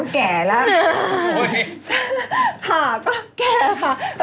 ค่ะก็แก่ค่ะ